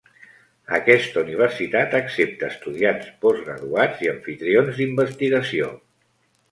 Aquesta Universitat accepta estudiants, postgraduats i amfitrions d’investigació.